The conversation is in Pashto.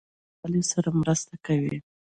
زردالو له وچوالي سره مرسته کوي.